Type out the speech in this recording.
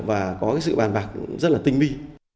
và có sự bàn bạc rất là tinh mi